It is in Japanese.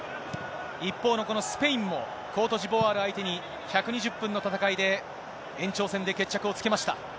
一方のこのスペインも、コートジボアール相手に、１２０分の戦いで、延長戦で決着をつけました。